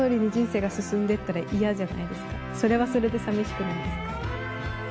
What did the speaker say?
それはそれで寂しくないですか？